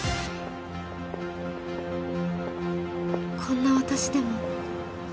［こんな私でも］